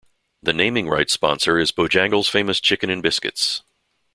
The naming-rights sponsor is Bojangles' Famous Chicken 'n Biscuits.